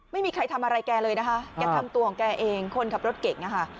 ไม่มีใครทำอะไรแกเลยนะคะแกทำตัวของแกเองคนขับรถเก่งนะคะ